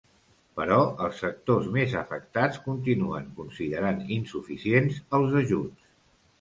Però els sectors més afectats continuen considerant insuficients els ajuts.